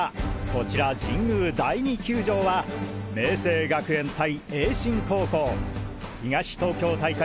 こちら神宮第二球場は明青学園対栄新高校東東京大会